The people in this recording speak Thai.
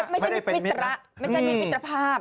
ไม่ใช่มิตรมิตรภาพ